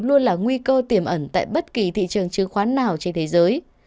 luôn là nguy cơ tiềm ẩn tại bất kỳ thị trường chứng khoán nào trên thế giới